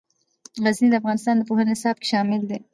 غزني د افغانستان د پوهنې نصاب کې شامل دي.